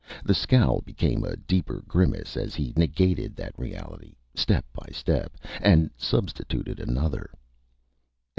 The scowl became a deeper grimace as he negated that reality, step by step, and substituted another.